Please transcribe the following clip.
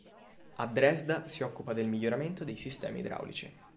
A Dresda si occupa del miglioramento dei sistemi idraulici.